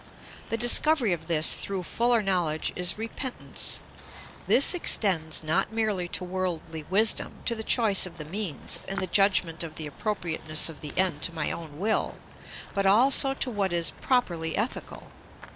The discovery of this through fuller knowledge is repentance. This extends not merely to worldly wisdom, to the choice of the means, and the judgment of the appropriateness of the end to my own will, but also to what is properly ethical.